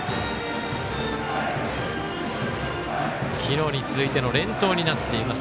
昨日に続いての連投になっています